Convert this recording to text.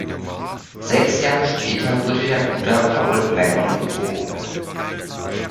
Sechs Jahre später wurde der Bruder Paul Mellon geboren.